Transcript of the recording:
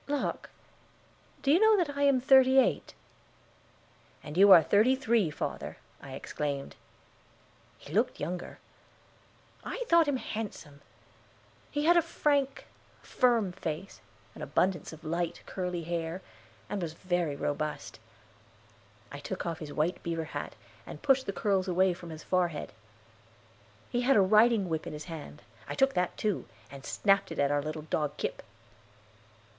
"Locke, do you know that I am thirty eight?" "And you are thirty three, father," I exclaimed. He looked younger. I thought him handsome; he had a frank, firm face, an abundance of light, curly hair, and was very robust. I took off his white beaver hat, and pushed the curls away from his forehead. He had his riding whip in his hand. I took that, too, and snapped it at our little dog, Kip.